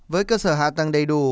với cơ sở hạ tầng đầy đủ